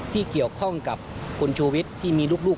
ที่เกี่ยวข้องกับคุณชูวิทย์ที่มีลูก